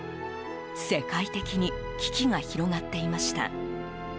世界的に危機が広がっていました。